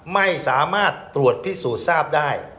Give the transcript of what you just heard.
ไม่สามารถตรวจพิสูจน์ทราบได้